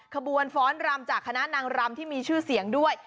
ขบวนฟ้อนรำจากคณะนางรำที่มีชื่อเสียงด้วย